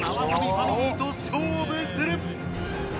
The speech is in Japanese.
ファミリーと勝負する！